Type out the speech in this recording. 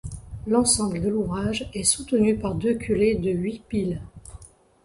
L'ensemble de l'ouvrage est soutenu par deux culées de huit piles.